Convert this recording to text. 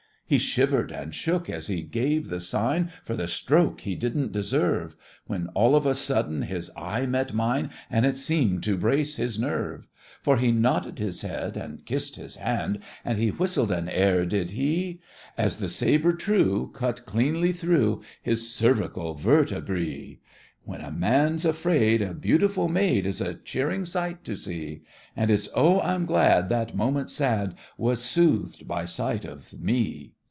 He shivered and shook as he gave the sign For the stroke he didn't deserve; When all of a sudden his eye met mine, And it seemed to brace his nerve; For he nodded his head and kissed his hand, And he whistled an air, did he, As the sabre true Cut cleanly through His cervical vertebrae! When a man's afraid, A beautiful maid Is a cheering sight to see; And it's oh, I'm glad That moment sad Was soothed by sight of me!